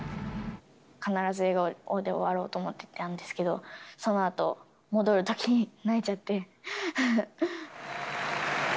必ず笑顔で終わろうと思っていたんですけど、そのあと、戻るときに泣いちゃって。